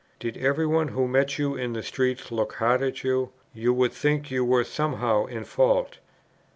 Did every one who met you in the streets look hard at you, you would think you were somehow in fault.